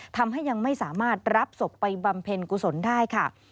ทำให้ยังไม่สามารถรับศพไปบำเพ็ญกุศลได้ค่ะ